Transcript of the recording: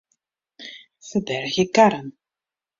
Ferbergje karren.